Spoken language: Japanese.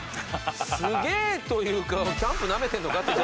すげえというかキャンプなめてんのかって。